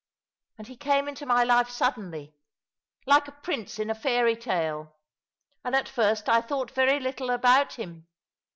And he came into my life suddenly — like a prince in a fairy tale — and at first I thought very little about him.